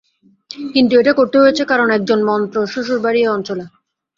কিন্তু এটা করতে হয়েছে, কারণ একজন মন্ত্রর শ্বশুরবাড়ি এই অঞ্চলে।